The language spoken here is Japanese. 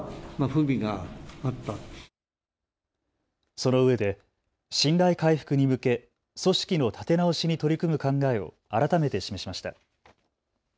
そのうえで信頼回復に向け組織の立て直しに取り組む考えを改めて示しました。